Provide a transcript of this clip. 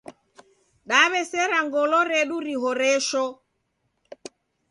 Daw'esera ngolo redu rihoresho.